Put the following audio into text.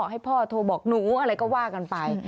ให้พ่อโทรบอกหนูอะไรก็ว่ากันไป